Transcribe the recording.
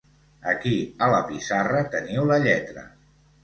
Aquí a la pissarra teniu la lletra.